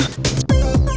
wah keren banget